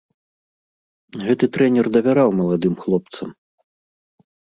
Гэты трэнер давяраў маладым хлопцам.